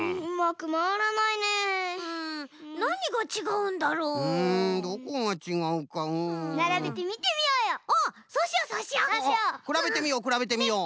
くらべてみようくらべてみよう！